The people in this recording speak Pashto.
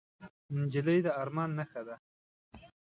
نجلۍ د ارمان نښه ده.